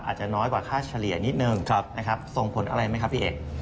อาจจะน้อยกว่าค่าเฉลี่ยนิดนึงนะครับส่งผลอะไรไหมครับพี่เอก